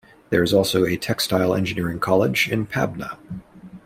There is also a textile engineering college in Pabna.